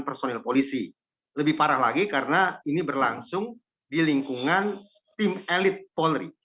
personil polisi lebih parah lagi karena ini berlangsung di lingkungan tim elit polri